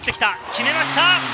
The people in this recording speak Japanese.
決めました！